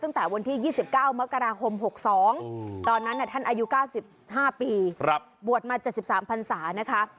ตั้งแต่วันที่๒๙มกราคม๖๒ตอนนั้นท่านอายุ๙๕ปีบวชมา๗๓พันศานะคะ